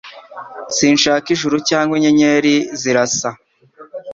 Sinshaka ijuru cyangwa inyenyeri zirasa.